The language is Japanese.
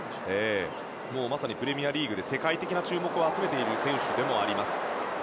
まさにプレミアリーグで世界的な注目を集めている選手でもあります。